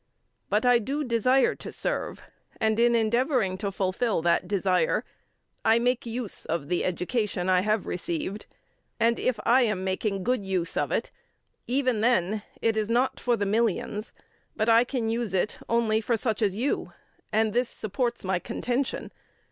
But I do desire to serve and, in endeavouring to fulfil that desire, I make use of the education I have received. And, if I am making good use of it, even then it is not for the millions, but I can use it only for such as you, and this supports my contention.